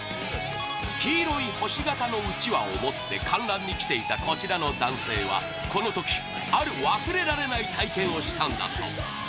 黄色い星形のうちわを持って観覧に来ていたこちらの男性はこの時、ある忘れられない体験をしたんだそう